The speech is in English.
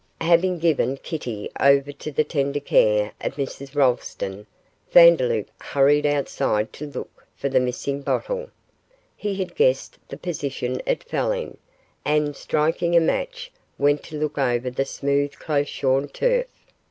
Having given Kitty over to the tender care of Mrs Rolleston, Vandeloup hurried outside to look for the missing bottle. He had guessed the position it fell in, and, striking a match, went to look over the smooth close shorn turf.